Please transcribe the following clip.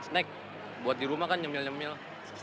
snack buat di rumah kan nyemil nyemil